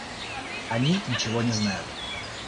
Они ничего не знают.